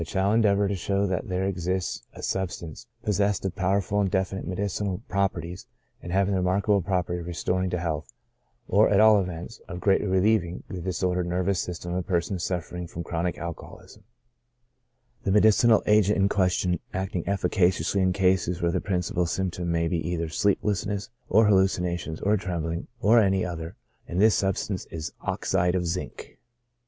torn, but shall endeavor to show that there exists a sub stance, possessed of powerful and definite medicinal prop erties, and having the remarkable property of restoring to health, or at all events of greatly relieving, the disordered nervous system of persons suffering from chronic alcohol ism ; the medicinal agent in question acting efficaciously in cases where the principal symptom may be either sleep lessness, or hallucinations, or trembling, or any other ; and this substance is Oxide of Zinc.